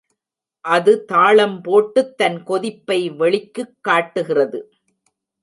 அது தாளம் போட்டுத் தன் கொதிப்பை வெளிக்குக் காட்டுகிறது.